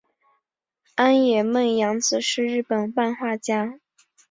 安野梦洋子是日本漫画家。